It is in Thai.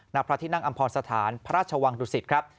ณพระที่นั่งอำพรสถานพระราชวังดุสิตครับ